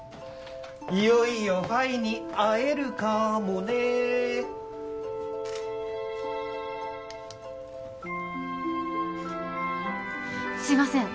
いよいよφに会えるかーもねーすいません